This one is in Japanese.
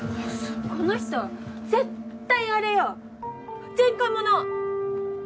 この人絶対あれよ前科者！